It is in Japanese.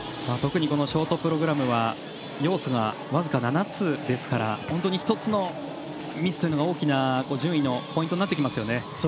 特にショートプログラムは要素が僅か７つですから本当に１つのミスが大きな順位のポイントになります。